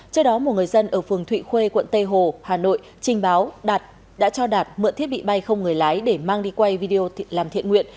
trước đó một người dân ở phường thụy khuê quận tây hồ hà nội trình báo đạt đã cho đạt mượn thiết bị bay không người lái để mang đi quay video làm thiện nguyện